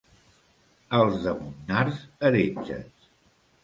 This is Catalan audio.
Els de Monnars, heretges.